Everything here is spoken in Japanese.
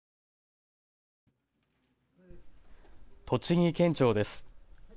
栃木県庁です。